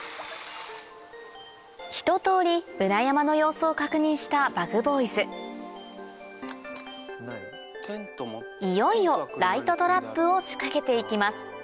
一通り裏山の様子を確認したＢｕｇＢｏｙｓいよいよライトトラップを仕掛けていきます